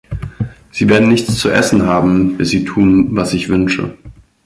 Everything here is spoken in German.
Sie werden nichts zu essen haben, bis Sie tun, was ich wünsche.